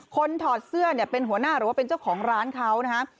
ถอดเสื้อเนี่ยเป็นหัวหน้าหรือว่าเป็นเจ้าของร้านเขานะฮะ